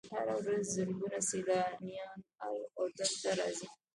هره ورځ زرګونه سیلانیان اردن ته راځي.